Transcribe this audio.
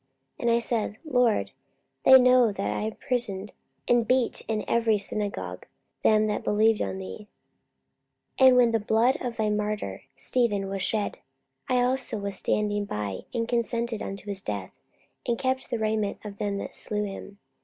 44:022:019 And I said, Lord, they know that I imprisoned and beat in every synagogue them that believed on thee: 44:022:020 And when the blood of thy martyr Stephen was shed, I also was standing by, and consenting unto his death, and kept the raiment of them that slew him.